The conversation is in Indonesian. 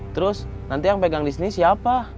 terus nanti yang pegang di sini siapa